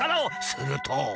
すると。